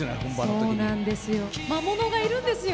そうなんですよ